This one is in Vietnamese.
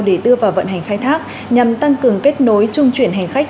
để đưa vào vận hành khai thác nhằm tăng cường kết nối trung chuyển hành khách